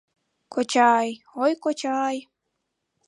— Кочай, ой, кочай!